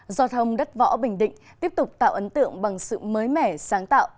do thông đất võ bình định tiếp tục tạo ấn tượng bằng sự mới mẻ sáng tạo